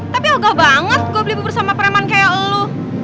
tapi agah banget gua beli bubur sama preman kayak elu